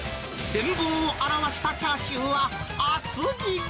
全貌を現したチャーシューは、厚切り。